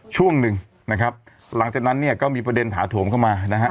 ช่วงหนึ่งนะครับหลังจากนั้นเนี่ยก็มีประเด็นถาโถมเข้ามานะฮะ